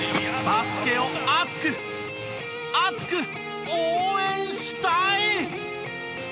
バスケを熱く熱く応援したい！